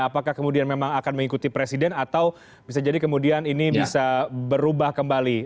apakah kemudian memang akan mengikuti presiden atau bisa jadi kemudian ini bisa berubah kembali